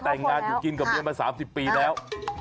แต่งงานอยู่กินกับเมียมา๓๐ปีแล้ว